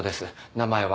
名前は。